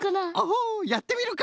ホホやってみるか！